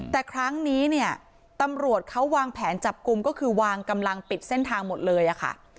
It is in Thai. แต่ครั้งนี้เนี่ยตำรวจเขาวางแผนจับกลุ่มก็คือวางกำลังปิดเส้นทางหมดเลยอะค่ะ